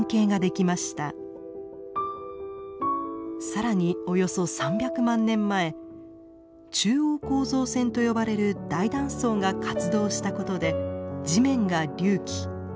更におよそ３００万年前中央構造線と呼ばれる大断層が活動したことで地面が隆起。